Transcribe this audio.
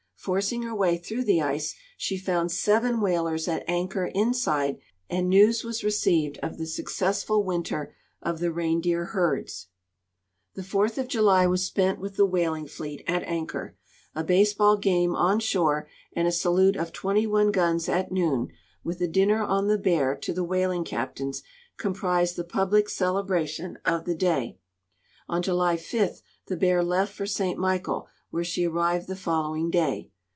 Forcing her Avay through the ice, she found seven Avhalers at anclior inside, and news Avas receiA'cd of the successful winter of the reindeer herds. 30 ARCTIC CRUISE OF THE REVENUE CUTTER The 4th of July was spent with the whaling fleet, at anchor. .A baseball game on shore and a salute of twenty one guns at noon, with a dinner on the Bear to the whaling captains, comprised the public celebration of the day. On July 5 the Bear left for St. Michael, where she arrived the following day.